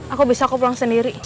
aku bisa pulang sendiri